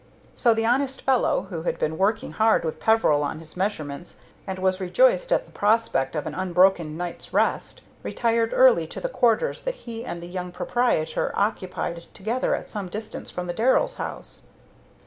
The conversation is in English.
So the honest fellow, who had been working hard with Peveril on his measurements, and was rejoiced at the prospect of an unbroken night's rest, retired early to the quarters that he and the young proprietor occupied together at some distance from the Darrells' house.